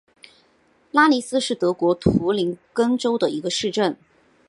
拉尼斯是德国图林根州的一个市镇。